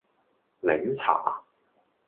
檸茶